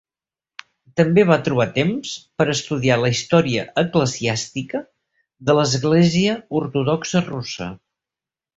També va trobar temps per estudiar la història eclesiàstica de l'Església Ortodoxa Russa.